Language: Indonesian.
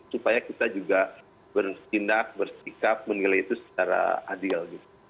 supaya kita juga bertindak bersikap menilai itu secara adil